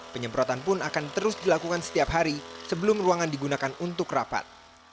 penyemprotan pun akan terus dilakukan setiap hari sebelum ruangan digunakan untuk rapat